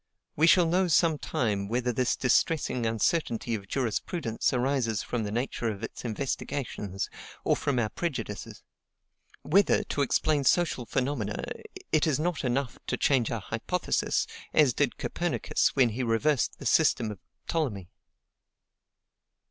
We shall know some time whether this distressing uncertainty of jurisprudence arises from the nature of its investigations, or from our prejudices; whether, to explain social phenomena, it is not enough to change our hypothesis, as did Copernicus when he reversed the system of Ptolemy.